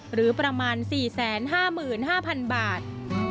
หรือประมาณ๔๕๕๐๐๐บาท